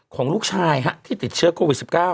ของลูกชายที่ติดเชื้อโควิด๑๙